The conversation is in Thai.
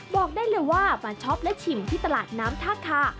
บอกได้เลยว่ามาช็อปและชิมที่ตลาดน้ำท่าคา